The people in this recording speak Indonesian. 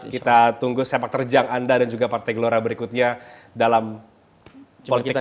kita tunggu sepak terjang anda dan juga partai gelora berikutnya dalam politik